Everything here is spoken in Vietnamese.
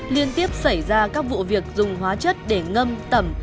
liên tiếp xảy ra các vụ việc dùng hóa chất để ngâm tẩm